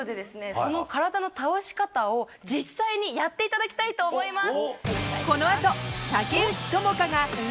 その体の倒し方を実際にやっていただきたいと思います。